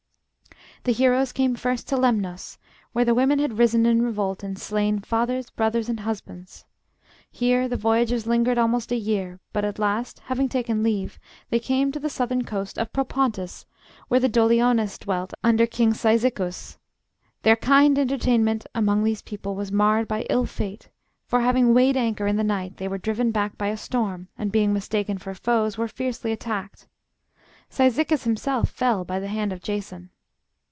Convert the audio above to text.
The heroes came first to Lemnos, where the women had risen in revolt and slain fathers, brothers, and husbands. Here the voyagers lingered almost a year; but at last, having taken leave, they came to the southern coast of Propontis, where the Doliones dwelt under King Cyzicus. Their kind entertainment among this people was marred by ill fate; for having weighed anchor in the night, they were driven back by a storm, and being mistaken for foes, were fiercely attacked. Cyzicus himself fell by the hand of Jason.